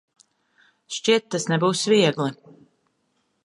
Šķiet, tas nebūs viegli.